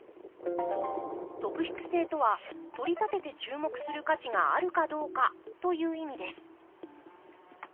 特筆性とはとりたてて注目する価値があるかどうかという意味です